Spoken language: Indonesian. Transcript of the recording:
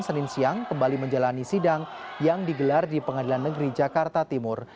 senin siang kembali menjalani sidang yang digelar di pengadilan negeri jakarta timur